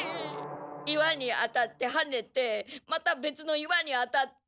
岩に当たってはねてまたべつの岩に当たって。